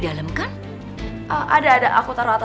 sampai jumpa lagi